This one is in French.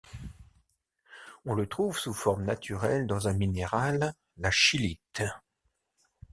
On le trouve sous forme naturelle dans un minéral, la scheelite.